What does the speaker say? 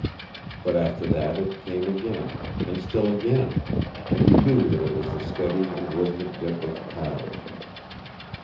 But after that it came again, and still again, and he knew that it was the steady and rhythmic dip of paddles.